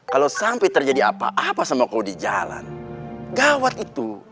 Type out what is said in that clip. kalau sampai terjadi apa apa sama kau di jalan gawat itu